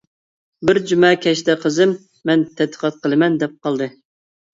بىر جۈمە كەچتە قىزىم مەن تەتقىقات قىلىمەن دەپ قالدى.